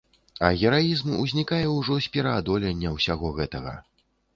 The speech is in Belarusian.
А гераізм узнікае ўжо з пераадолення ўсяго гэтага.